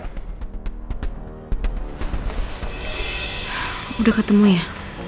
udah ketemu ya